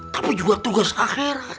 tapi juga tugas akhirat